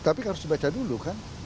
tapi harus dibaca dulu kan